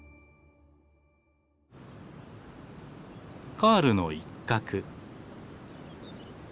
カールの一角。